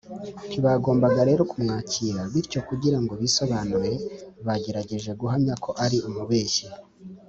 ntibagombaga rero kumwakira, bityo kugira ngo bisobanure bagerageje guhamya ko ari umubeshyi